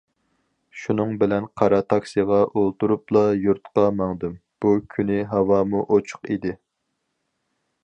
شۇنىڭ بىلەن، قارا تاكسىغا ئولتۇرۇپلا يۇرتقا ماڭدىم، بۇ كۈنى ھاۋامۇ ئوچۇق ئىدى.